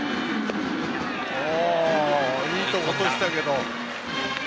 いいところ落としたけども。